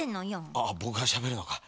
ああぼくがしゃべるのか。